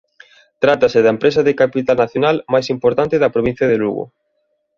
Trátase da empresa de capital nacional máis importante da provincia de Lugo.